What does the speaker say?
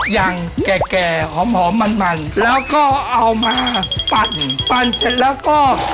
อย่างแก่แก่หอมหอมมันมันแล้วก็เอามาปั่นปั่นเสร็จแล้วก็